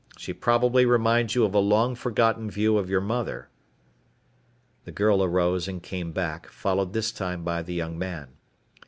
She probably reminds you of a long forgotten view of your mother. The girl arose and came back, followed this time by the young man.